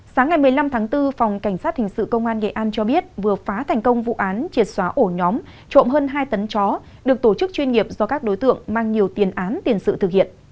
sáng ngày một mươi năm tháng bốn phòng cảnh sát hình sự công an nghệ an cho biết vừa phá thành công vụ án triệt xóa ổ nhóm trộm hơn hai tấn chó được tổ chức chuyên nghiệp do các đối tượng mang nhiều tiền án tiền sự thực hiện